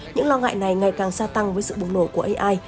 những lo ngại này ngày càng gia tăng với sự bùng nổ của ai